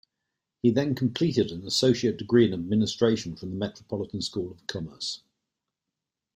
He then completed an Associate degree in Administration from the Metropolitan School of Commerce.